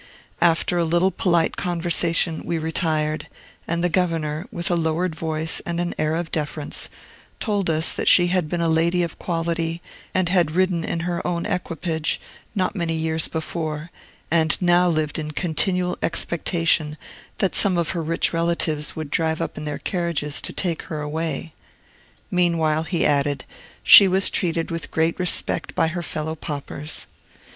After a little polite conversation, we retired; and the governor, with a lowered voice and an air of deference, told us that she had been a lady of quality, and had ridden in her own equipage, not many years before, and now lived in continual expectation that some of her rich relatives would drive up in their carriages to take her away. Meanwhile, he added, she was treated with great respect by her fellow paupers.